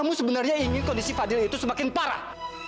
kamu itu benar benar ingin kondisi fadil itu semakin parah